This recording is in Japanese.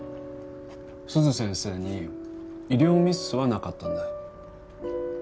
鈴先生に医療ミスはなかったんだ。